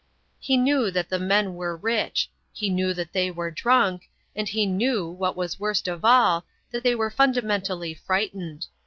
He knew that the men were rich; he knew that they were drunk; and he knew, what was worst of all, that they were fundamentally frightened.